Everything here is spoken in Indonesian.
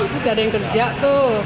masih ada yang kerja tuh